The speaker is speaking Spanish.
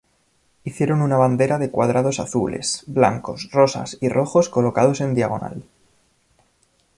Hicieron una bandera de cuadrados azules, blancos rosas y rojos colocados en diagonal.